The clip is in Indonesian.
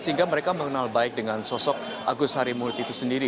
sehingga mereka mengenal baik dengan sosok agus harimurti itu sendiri